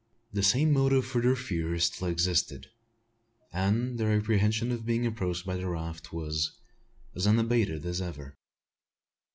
The same motive for their fears still existed; and their apprehension of being approached by the raft was as unabated as ever.